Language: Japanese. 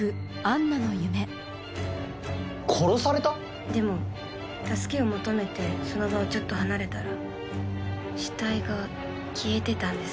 殺された⁉でも助けを求めてその場をちょっと離れたら死体が消えてたんです。